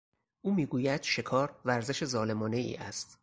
او میگوید شکار ورزش ظالمانهای است.